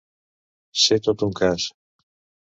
Ser tot un cas.